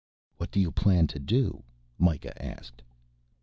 "What do you plan to do?" Mikah asked.